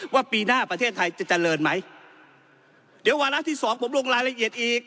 ปีหน้าประเทศไทยจะเจริญไหมเดี๋ยววาระที่สองผมลงรายละเอียดอีก